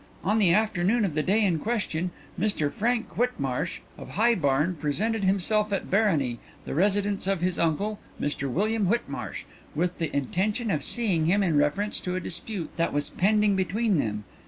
"'On the afternoon of the day in question, Mr Frank Whitmarsh, of High Barn, presented himself at Barony, the residence of his uncle, Mr William Whitmarsh, with the intention of seeing him in reference to a dispute that was pending between them.